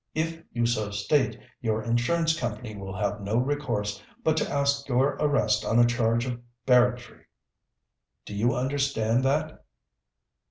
If you so state, your insurance company will have no recourse but to ask your arrest on a charge of barratry. Do you understand that?"